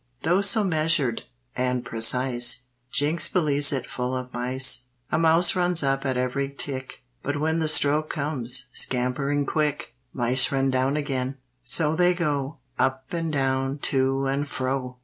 Though so measured and precise, Ginx believes it full of mice. A mouse runs up at every tick, But when the stroke comes, scampering quick, Mice run down again; so they go, Up and down, and to and fro!